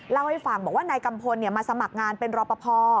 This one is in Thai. เล่าให้ฟังบอกว่านายกัมพลมาสมัครงานเป็นรอปภ